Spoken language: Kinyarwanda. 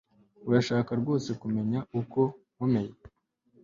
Urashaka rwose kumenya uko nkomeye